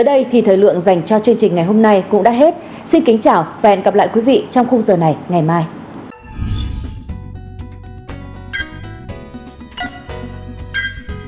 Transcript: hãy đăng ký kênh để ủng hộ kênh của mình nhé